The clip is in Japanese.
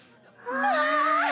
うわ！